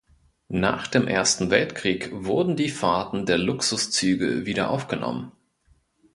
Nach dem Ersten Weltkrieg wurden die Fahrten der Luxuszüge wieder aufgenommen.